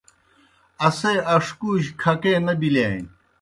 اسے اݜکُو جیْ کھکیئے نہ بِلِیانیْ۔